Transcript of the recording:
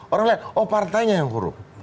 orang melihat oh partainya yang korup